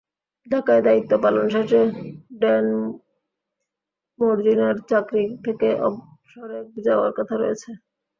ঢাকায় দায়িত্ব পালন শেষে ড্যান মজীনার চাকরি থেকে অবসরে যাওয়ার কথা রয়েছে।